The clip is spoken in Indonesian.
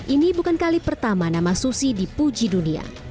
ini bukan kali pertama nama susi dipuji dunia